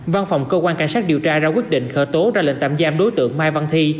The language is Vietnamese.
văn phòng cơ quan cảnh sát điều tra ra quyết định khởi tố ra lệnh tạm giam đối tượng mai văn thi